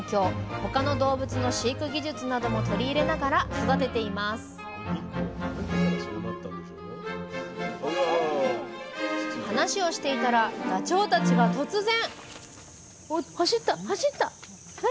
他の動物の飼育技術なども取り入れながら育てています話をしていたらダチョウたちが突然！